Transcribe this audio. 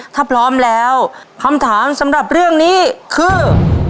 ถ้าพร้อมแล้วคำถามสำหรับเรื่องนี้คือ